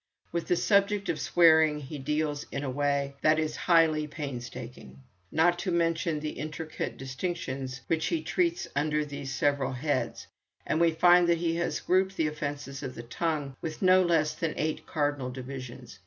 With the subject of swearing he deals in a way that is highly painstaking. Not to mention the intricate distinctions which he treats under these several heads, we find that he has grouped the offences of the tongue into no less than eight cardinal divisions.